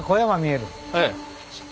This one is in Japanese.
ええ。